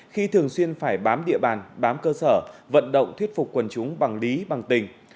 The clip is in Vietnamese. khi thường xuyên phải bám địa bàn bám cơ sở vận động thuyết phục quần chúng bằng lý bằng tình